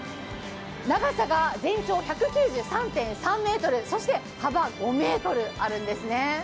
長さが全長１９３．３ｍ、そして幅５ｍあるんですね。